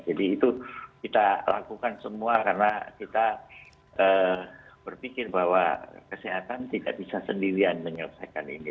jadi itu kita lakukan semua karena kita berpikir bahwa kesehatan tidak bisa sendirian menyelesaikan ini